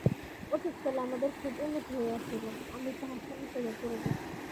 অতীতকালে আমাদের খুব উন্নতি হইয়াছিল, আমি তাহা স্মরণ করিয়া গৌরব বোধ করি।